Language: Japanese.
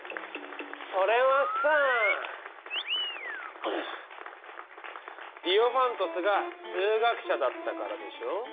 それはさディオファントスが数学者だったからでしょ。